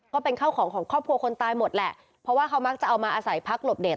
ก็เป็นข้าวของของครอบครัวคนตายหมดแหละเพราะว่าเขามักจะเอามาอาศัยพักหลบเด็ด